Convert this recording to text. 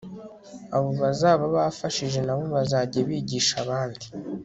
abo bazaba bafashije, na bo bazajya bigisha abandi